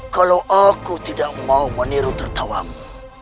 kalau aku tidak mau meniru tertawamu